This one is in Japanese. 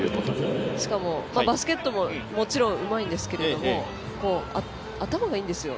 しかもバスケットももちろんうまいんですけど頭がいいんですよ